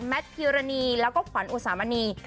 พีรณีแล้วก็ขวัญอุสามณี